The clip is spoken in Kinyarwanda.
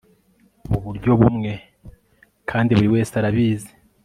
muburyo bumwe, kandi buriwese arabizi